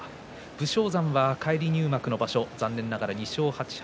武将山は返り入幕の場所は残念ながら２勝８敗